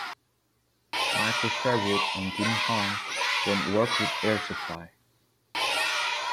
Michael Sherwood and Jimmy Haun then worked with Air Supply.